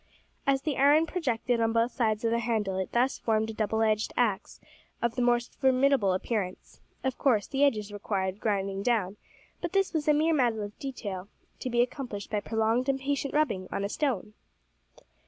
As the iron projected on both sides of the handle, it thus formed a double edged axe of the most formidable appearance. Of course the edges required grinding down, but this was a mere matter of detail, to be accomplished by prolonged and patient rubbing on a stone!